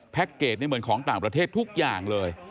เกจนี่เหมือนของต่างประเทศทุกอย่างเลย